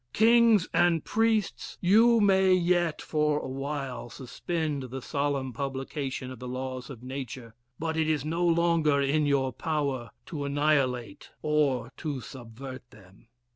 Kings and priests! you may yet for awhile suspend the solemn publication of the laws of nature; but it is no longer in your power to annihilate or to subvert them."